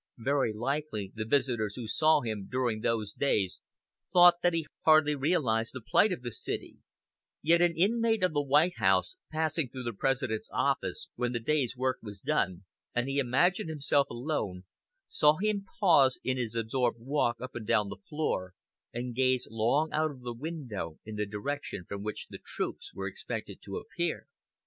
Very likely the visitors who saw him during those days thought that he hardly realized the plight of the city; yet an inmate of the White House, passing through the President's office when the day's work was done and he imagined himself alone, saw him pause in his absorbed walk up and down the floor, and gaze long out of the window in the direction from which the troops were expected to appear.